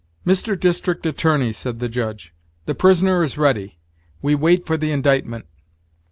"Mr. District Attorney," said the Judge, "the prisoner is ready; we wait for the indictment."